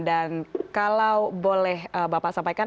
kalau boleh bapak sampaikan